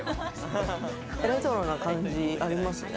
レトロな感じありますね。